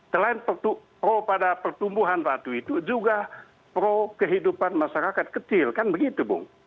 selain pro pada pertumbuhan ratu itu juga pro kehidupan masyarakat kecil kan begitu bung